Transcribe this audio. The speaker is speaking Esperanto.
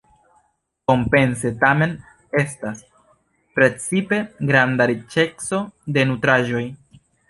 Kompense tamen estas precipe granda riĉeco de nutraĵoj.